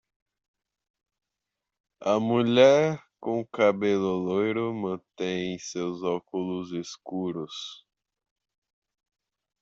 A mulher com cabelo loiro mantém seus óculos escuros.